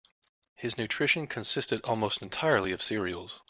His nutrition consisted almost entirely of cereals.